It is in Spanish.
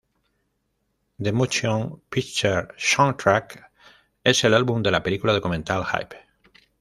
The Motion Picture Soundtrack es el álbum de la película documental "Hype!